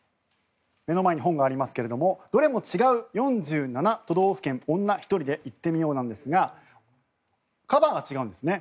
目の前に本がありますがどれも違う「４７都道府県女ひとりで行ってみよう」ですがカバーが違うんですね。